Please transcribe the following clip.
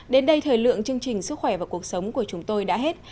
đến đây thời lượng chương trình sức khỏe và cuộc sống của chúng tôi đã hết